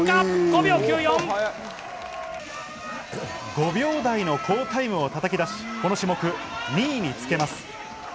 ５秒台の好タイムを叩きだし、この種目２位につけます。